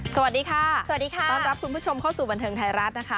สวัสดีค่ะสวัสดีค่ะต้อนรับคุณผู้ชมเข้าสู่บันเทิงไทยรัฐนะคะ